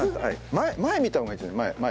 前見た方がいいですね前。